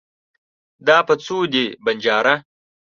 دا په څو دی ؟ بنجاره